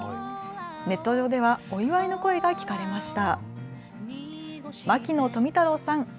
ネット上ではお祝いの声が聞かれました。